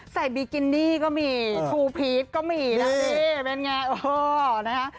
ใส่บีกินนี่ก็มีทูพีทก็มีนะนี่เป็นไงโอ้โฮนะฮะ